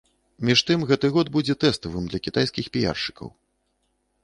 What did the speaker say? Між тым гэты год будзе тэставым для кітайскіх піяршчыкаў.